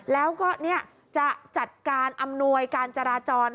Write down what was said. แล้วก็จะจัดการอำนวยการจราจร